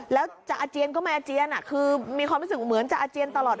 แล้วจะอาเจียนก็ไม่อาเจียนคือมีความรู้สึกเหมือนจะอาเจียนตลอด